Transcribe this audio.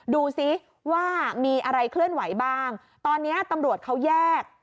ดูสิว่ามีอะไรเคลื่อนไหวบ้างตอนนี้ตำรวจเขาแยก